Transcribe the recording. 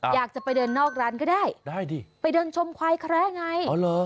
อยากจะไปเดินนอกร้านก็ได้ได้ดิไปเดินชมควายแคระไงอ๋อเหรอ